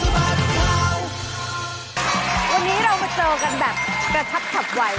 วันนี้เรามาเจอกันแบบกระชับขับไหว